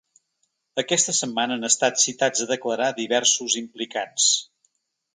Aquesta setmana han estat citats a declarar diversos implicats.